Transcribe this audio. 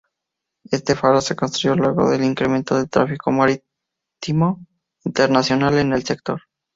Este faro se construyó luego del incremento del tráfico marítimo internacional en el sector.